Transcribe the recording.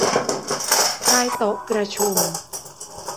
ใต้โต๊ะประชุม